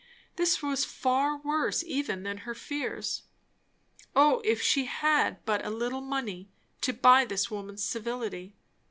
This was far worse even than her fears. O if she had but a little money, to buy this woman's civility!